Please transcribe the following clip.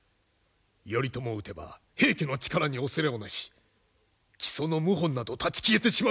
頼朝を討てば平家の力に恐れをなし木曽の謀反など立ち消えてしまうわ！